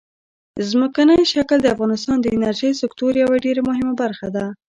ځمکنی شکل د افغانستان د انرژۍ سکتور یوه ډېره مهمه برخه ده.